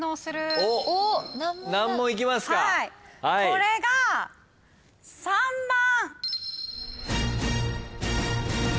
これが３番。